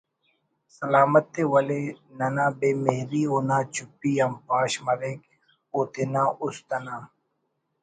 سلامت ءِ ولے ننا بے مہری اونا چُپی آن پاش مریک او تینا اُست انا